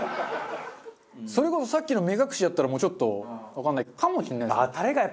それこそさっきの目隠しやったらもうちょっとわからないかもしれないですね。